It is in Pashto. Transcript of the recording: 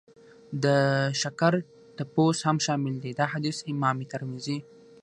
د شکر تپوس هم شامل دی. دا حديث امام ترمذي